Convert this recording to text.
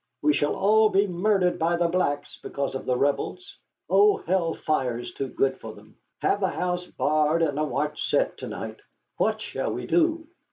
We shall all be murdered by the blacks because of the Rebels. Oh, hell fire is too good for them. Have the house barred and a watch set to night. What shall we do?"